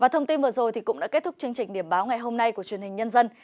thông tin vừa rồi cũng đã kết thúc chương trình điểm báo ngày hôm nay của truyền hình nhân dân